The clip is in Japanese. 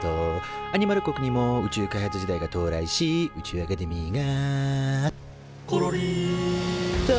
アニマル国にも宇宙開発時代が到来し宇宙アカデミーが「ころりーん」と誕生。